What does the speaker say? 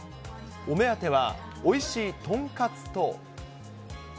お目当てはおいしい豚カツと。